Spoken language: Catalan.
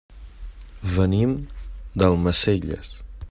Venim d'Almacelles.